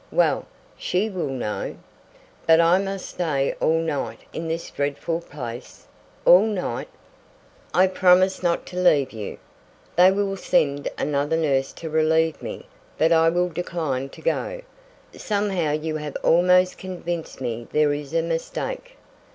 Well, she will know. But I must stay all night in this dreadful place all night?" "I promise not to leave you. They will send another nurse to relieve me, but I will decline to go. Somehow you have almost convinced me there is a mistake."